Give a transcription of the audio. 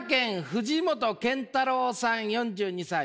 藤元健太郎さん４２歳。